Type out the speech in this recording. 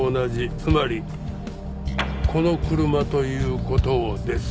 つまりこの車という事をです。